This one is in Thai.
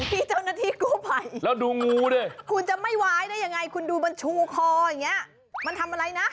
พี่เจ้าหน้าที่กู้ภัยแล้วดูงูดิคุณจะไม่ว้ายได้ยังไงคุณดูมันชูคออย่างนี้มันทำอะไรนะ